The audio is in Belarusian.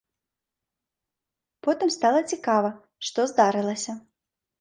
Потым стала цікава, што здарылася.